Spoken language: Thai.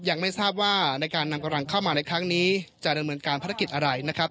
ยังไม่ทราบว่าในการนำกำลังเข้ามาในครั้งนี้จะดำเนินการภารกิจอะไรนะครับ